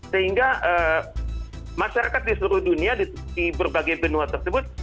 sehingga masyarakat di seluruh dunia di berbagai benua tersebut